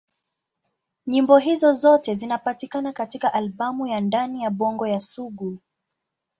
Nyimbo hizo zote zinapatikana katika albamu ya Ndani ya Bongo ya Sugu.